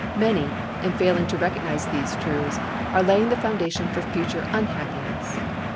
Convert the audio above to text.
Many, in failing to recognize these truths, are laying the foundation for future unhappiness.